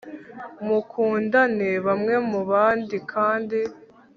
mukundane bamwe mu bandi, kandi